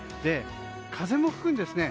風も吹くんですね。